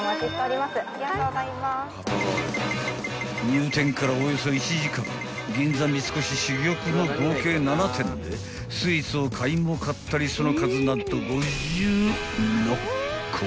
［入店からおよそ１時間銀座三越珠玉の合計７店でスイーツを買いも買ったりその数何と５６個］